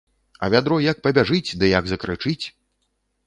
А вядро як пабяжыць ды як закрычыць.